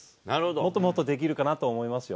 もっともっとできるかなと思いますよ。